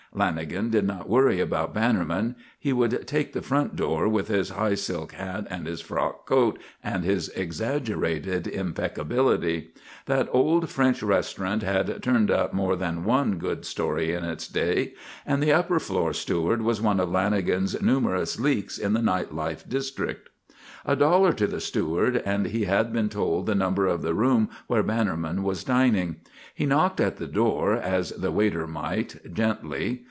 Lanagan did not worry about Bannerman. He would take the front door, with his high silk hat and his frock coat and his exaggerated impeccability. That old French restaurant had turned up more than one good story in its day, and the upper floor steward was one of Lanagan's numerous "leaks" in the night life district. A dollar to the steward and he had been told the number of the room where Bannerman was dining. He knocked at the door, as the waiter might, gently.